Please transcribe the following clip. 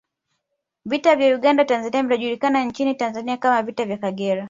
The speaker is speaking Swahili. Vita vya Uganda Tanzania vinavyojulikana nchini Tanzania kama Vita vya Kagera